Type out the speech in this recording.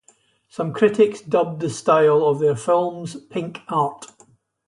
Some critics dubbed the style of their films "pink" art".